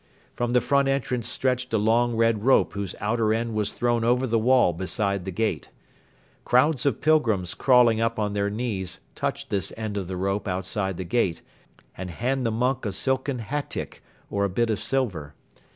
From the front entrance stretched a long red rope whose outer end was thrown over the wall beside the gate. Crowds of pilgrims crawling up on their knees touch this end of the rope outside the gate and hand the monk a silken hatyk or a bit of silver.